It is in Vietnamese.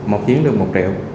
một chiếc được một triệu